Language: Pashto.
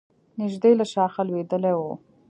نژدې له شاخه لوېدلی و.